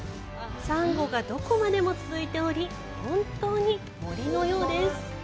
珊瑚がどこまでも続いており本当に森のようです